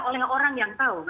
oleh orang yang tahu